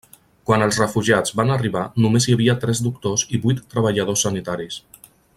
Quan els refugiats van arribar només hi havia tres doctors i vuit treballadors sanitaris.